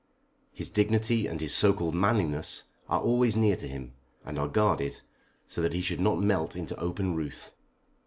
His dignity and his so called manliness are always near to him, and are guarded, so that he should not melt into open ruth.